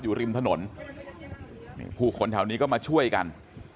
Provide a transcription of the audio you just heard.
อยู่ริมถนนนี่ผู้คนแถวนี้ก็มาช่วยกัน